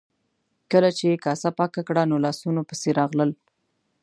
کله چې یې کاسه پاکه کړه نو لاسونو پسې راغلل.